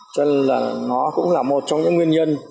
cho nên là nó cũng là một trong những nguyên nhân